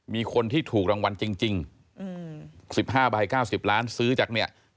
มีคนที่ถูกรางวัลจริง๑๕ใบ๙๐ล้านซื้อจากเนี่ย